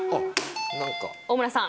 大村さん。